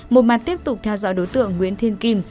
một mặt tiếp tục theo dõi đối tượng nguyễn thiên kim